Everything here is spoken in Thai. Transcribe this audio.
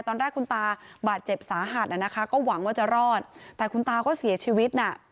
ตอนแรกคุณตาบาดเจ็บสาหัสนะคะก็หวังว่าจะรอดแต่คุณตาก็เสียชีวิตน่ะ